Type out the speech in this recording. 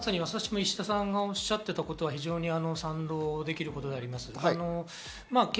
石田さんがおっしゃっていたことは賛同できることです。